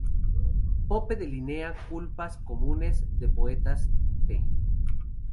Pope delinea culpas comunes de poetas, p.